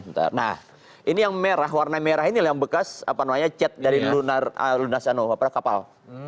nah ini yang merah warna merah ini yang bekas apa namanya chat dari lunas kapal